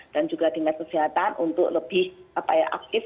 dan juga dinas kesehatan untuk lebih apa ya aktif